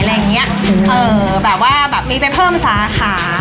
แบบนี้ไปเพิ่มสาขา